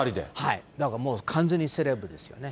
だからもう、完全にセレブですよね。